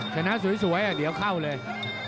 ชนะสวยเดี๋ยวเข้าเลย